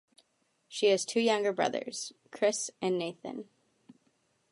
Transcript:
She has two younger brothers, Chris and Nathan.